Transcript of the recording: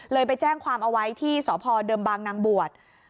ไปแจ้งความเอาไว้ที่สพเดิมบางนางบวช